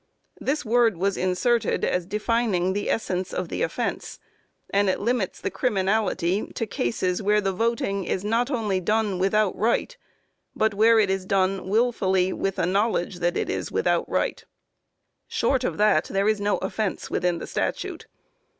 This word was inserted as defining the essence of the offence, and it limits the criminality to cases where the voting is not only without right, but where it is done wilfully, with a knowledge that it is without right. Short of that there is no offence within the statute.